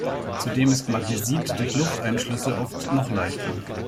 Zudem ist Magnesit durch Lufteinschlüsse oft noch leichter.